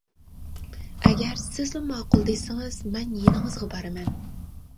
ئەگەر سىزلا ماقۇل دېسىڭىز، مەن يېنىڭىزغا بارىمەن.